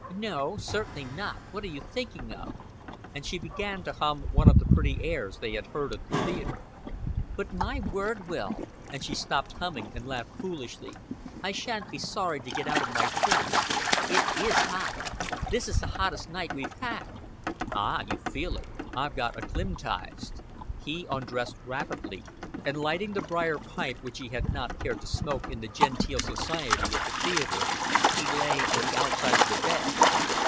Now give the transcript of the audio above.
"No, certainly not. What are you thinking of?" and she began to hum one of the pretty airs they had heard at the theater. "But, my word, Will," and she stopped humming, and laughed foolishly, "I shan't be sorry to get out of my things. It is hot. This is the hottest night we've had." "Ah, you feel it. I've got acclim'tized." He undressed rapidly, and lighting the briar pipe which he had not cared to smoke in the genteel society at the theater, he lay on the outside of the bed.